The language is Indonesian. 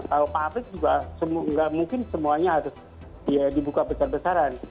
kalau pabrik juga nggak mungkin semuanya harus dibuka besar besaran